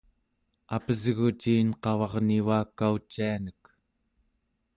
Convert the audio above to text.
apesgu ciin qavarnivakaucianek